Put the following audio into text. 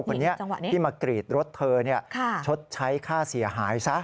คนนี้ที่มากรีดรถเธอชดใช้ค่าเสียหายซะ